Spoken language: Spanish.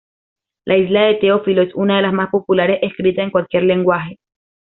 La historia de Teófilo es una de las más populares escritas en cualquier lenguaje.